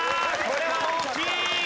これは大きい！